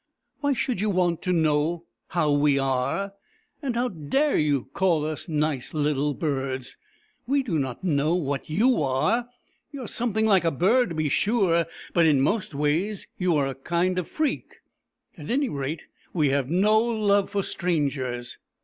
" Why should you want to know how we are ? and how dare you call us nice little birds ? We do not know what you are — you are something like a bird, to be sure, but in most ways you are a kind 72 THE EMU WHO WOULD DANCE of freak. At any rate, we have no love for strangers."